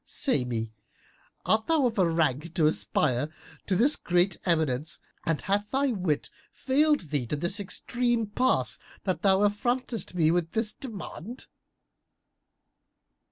Say me, art thou of a rank to aspire to this great eminence and hath thy wit failed thee to this extreme pass that thou affrontest me with this demand?"